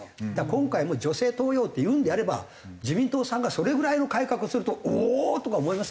今回も女性登用って言うんであれば自民党さんがそれぐらいの改革をするとおおー！とか思いません？